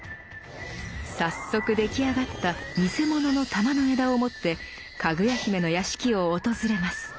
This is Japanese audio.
早速出来上がった偽物の珠の枝を持ってかぐや姫の屋敷を訪れます。